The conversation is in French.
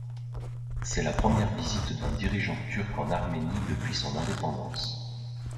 C'est la première visite d'un dirigeant turc en Arménie depuis son indépendance.